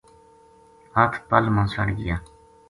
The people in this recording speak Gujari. ہَتھ پل ما سڑ گیا